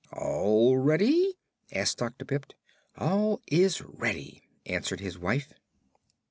"All ready?" asked Dr. Pipt. "All is ready," answered his wife.